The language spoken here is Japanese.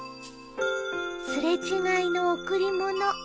「擦れ違いの贈り物」